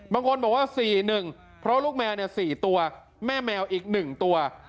บางคนบอกว่า๔๑เพราะลูกแมว๔ตัวแม่แมวอีก๑ตัว